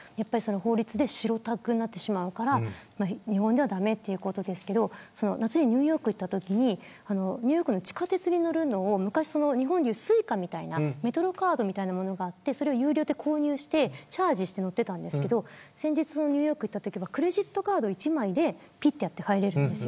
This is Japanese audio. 法律で白タクになっちゃうから日本では駄目ということですが夏にニューヨークに行ったときニューヨークの地下鉄に乗るのをＳｕｉｃａみたいなメトロカードみたいなものがあって有料で購入して、チャージして乗っていたんですけど先日ニューヨークに行ったときはクレジットカード一枚でぴってやって入れるんです。